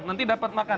nanti dapat makan